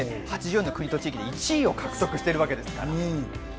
８０の国と地域で１位を獲得しているわけですから。